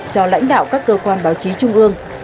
cho lãnh đạo các cơ quan báo chí trung ương